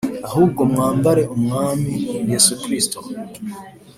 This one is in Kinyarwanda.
Ahubwo mwambare Umwami Yesu Kristo